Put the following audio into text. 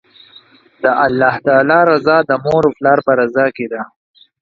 د الله تعالی رضا، د مور او پلار په رضا کی ده